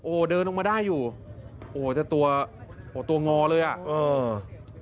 โอ้เดินลงมาได้อยู่โอ้แต่ตัวโอ้ตัวงอเลยอะ